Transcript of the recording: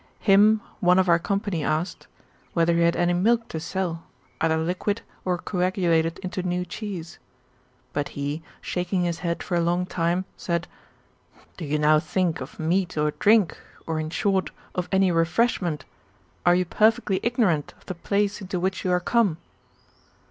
Him one of our company asked, Whether he had any milk to sell, either liquid, or coagulated into new cheese ? But he, shaking his head for a long time, said: "Do you now think of meat or drink, or, in short, of any refreshment? Are you perfectly ignorant of the place into which you are come